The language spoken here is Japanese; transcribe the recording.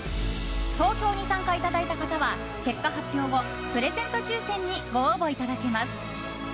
投票に参加いただいた方は結果発表後プレゼント抽選にご応募いただけます。